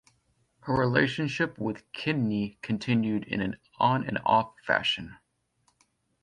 Her relationship with Kidney continued in an on-and-off fashion.